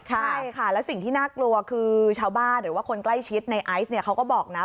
ใช่ค่ะแล้วสิ่งที่น่ากลัวคือชาวบ้านหรือว่าคนใกล้ชิดในไอซ์เนี่ยเขาก็บอกนะ